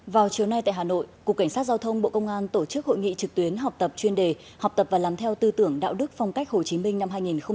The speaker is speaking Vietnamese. vào chiều nay tại hà nội cục cảnh sát giao thông bộ công an tổ chức hội nghị trực tuyến học tập chuyên đề học tập và làm theo tư tưởng đạo đức phong cách hồ chí minh năm hai nghìn hai mươi